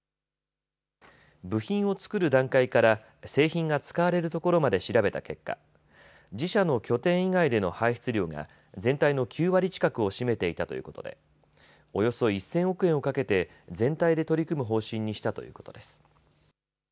部品を作る段階から製品が使われるところまで調べた結果、自社の拠点以外での排出量が全体の９割近くを占めていたということでおよそ１０００億円をかけて全体で取り組む方針にしたということです。